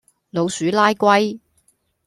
老鼠拉龜